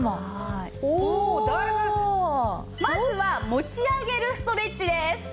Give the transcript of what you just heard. まずは持ち上げるストレッチです。